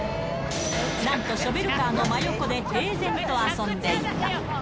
なんと、ショベルカーの真横で平然と遊んでいた。